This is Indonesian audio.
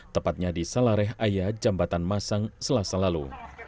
tepatnya di salareh ayah jambatan masang selasa lalu